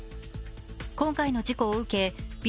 今回の事故を受けＢ